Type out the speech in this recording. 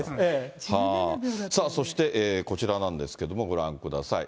そして、こちらなんですけれども、ご覧ください。